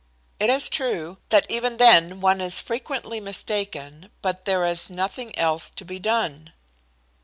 It is true that even then one is frequently mistaken, but there is nothing else to be done.